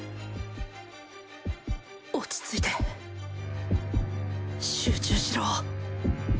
落ち着いて集中しろ！